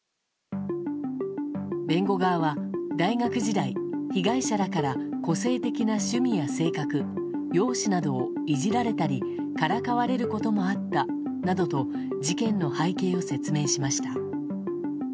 弁護側は大学時代、被害者らから個性的な趣味や性格容姿などをいじられたりからかわれることもあったなどと事件の背景を説明しました。